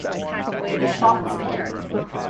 It was shot in Spain.